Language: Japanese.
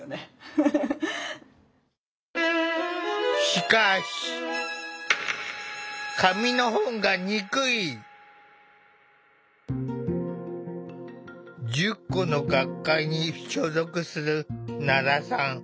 しかし１０個の学会に所属する奈良さん。